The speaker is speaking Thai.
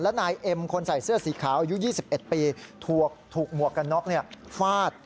และนายเอ็มคนใส่เสื้อสีขาวอายุ๒๑ปีถูกหมวกกันน็อกฟาด